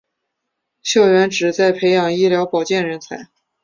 学校旨在培养医疗保健人才。